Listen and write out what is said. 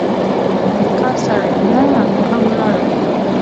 د کار سړی مړه او یا هم ولاړل.